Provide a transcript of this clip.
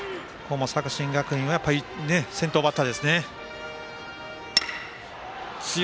作新学院は先頭バッターですね。